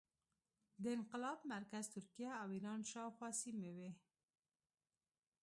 د انقلاب مرکز ترکیه او ایران شاوخوا سیمې وې.